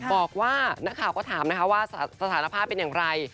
บอกว่านักข่าวก็ถามนะคะว่าสถานภาพเป็นอย่างไร